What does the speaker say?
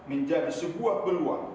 menjadi sebuah peluang